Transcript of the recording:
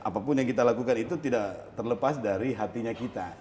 apapun yang kita lakukan itu tidak terlepas dari hatinya kita